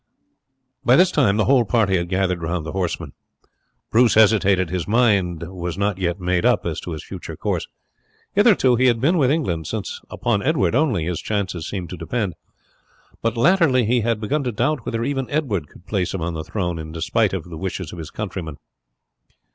By this time the whole party had gathered round the horsemen. Bruce hesitated; his mind was not yet made up as to his future course. Hitherto he had been with England, since upon Edward only his chances seemed to depend; but latterly he had begun to doubt whether even Edward could place him on the throne in despite of the wishes of his countrymen.